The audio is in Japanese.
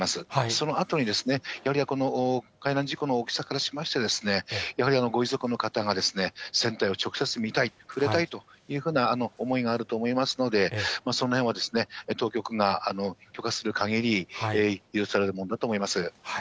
そのあとに、やはりこの海難事故の大きさからしまして、やはりご遺族の方が船体を直接見たい、触れたいというふうな思いがあると思いますので、そのへんは当局が許可するかぎり、許されるものだと思います。